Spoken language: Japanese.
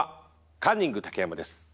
カンニング竹山です。